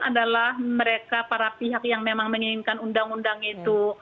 adalah mereka para pihak yang memang menginginkan undang undang itu